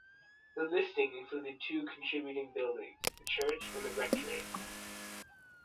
The listing included two contributing buildings (the church and the rectory).